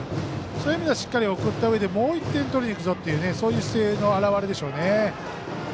そういう意味ではしっかり送ったうえでもう１点取りにいくぞというそういう姿勢の現れでしょうね。